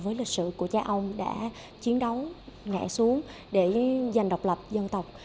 với lịch sử của cha ông đã chiến đấu ngã xuống để giành độc lập dân tộc